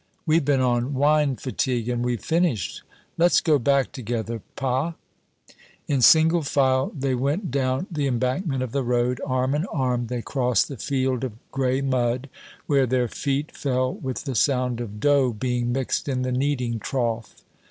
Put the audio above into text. "We've been on wine fatigue, and we've finished. Let's go back together, pas?" In single file they went down the embankment of the road arm in arm they crossed the field of gray mud, where their feet fell with the sound of dough being mixed in the kneading trough.